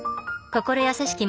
心優しき